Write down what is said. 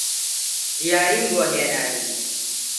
دیاریم بۆ هێناوی